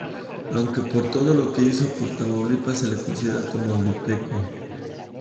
Aunque por todo lo que hizo por Tamaulipas, se le considera Tamaulipeco.